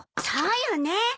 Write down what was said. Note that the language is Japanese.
そうよね。